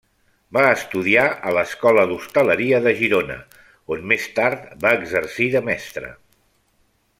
Va estudiar a l'Escola d'Hostaleria de Girona, on més tard va exercir de mestre.